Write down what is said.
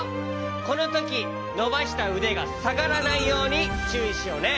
このときのばしたうでがさがらないようにちゅういしようね。